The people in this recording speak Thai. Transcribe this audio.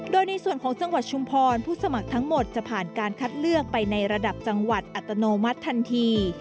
โดยในส่วนของจังหวัดชุมพรผู้สมัครทั้งหมดจะผ่านการคัดเลือกไปในระดับจังหวัดอัตโนมัติทันที